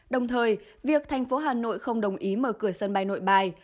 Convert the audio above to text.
đồng thời việc thành phố hà nội không đồng ý mở cửa sân bay nội bài